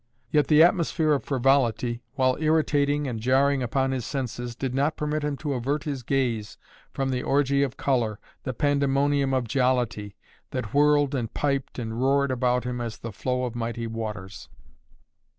Yet the atmosphere of frivolity, while irritating and jarring upon his senses, did not permit him to avert his gaze from the orgy of color, the pandemonium of jollity, that whirled and piped and roared about him as the flow of mighty waters.